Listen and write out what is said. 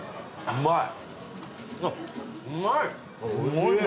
うまい。